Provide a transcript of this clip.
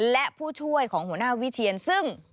และผู้ช่วยของหัวหน้าวิเทียนซึ่ง